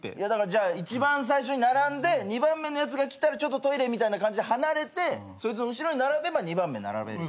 じゃあ一番最初に並んで２番目のやつが来たらちょっとトイレみたいな感じで離れてそいつの後ろに並べば２番目並べる。